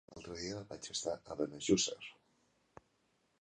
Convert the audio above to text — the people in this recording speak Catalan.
L'altre dia vaig estar a Benejússer.